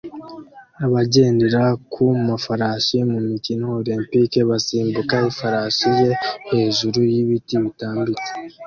Abagendera ku mafarasi mu mikino Olempike basimbuka ifarashi ye hejuru y’ibiti bitambitse